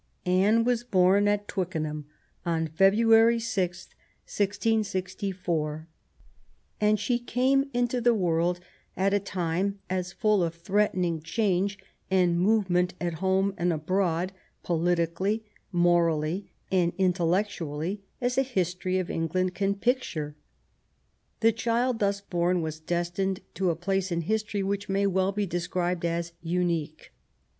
Anne was born at Twickenham on February 6, 1664, and she came into the world at a time as full of threaten ing change and movement at home and abroad, politi cally, morally, and intellectually, as the history of Eng land can picture. The child thus born was destined to a place in history which may well be described as unique.